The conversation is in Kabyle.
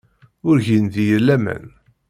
Ur gin deg-i laman.